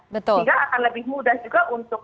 sehingga akan lebih mudah juga untuk